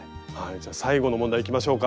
じゃあ最後の問題いきましょうか。